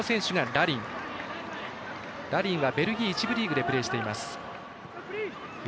ラリンはベルギー１部リーグでプレーしています。